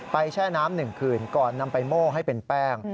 แช่น้ำ๑คืนก่อนนำไปโม่ให้เป็นแป้ง